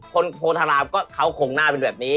โพธารามก็เขาคงน่าเป็นแบบนี้